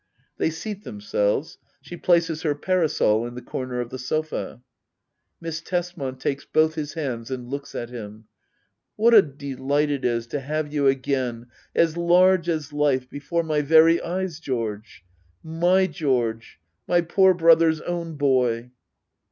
[They seat themselves. She places her para sol in the comer of the sofa. Miss Tesman. [Takes both his hands and looks at him.] What a delight it is to have you again, as large as life, before my very eyes, George ! My George — ^my poor brother's own boy